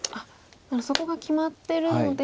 そこが決まってるので。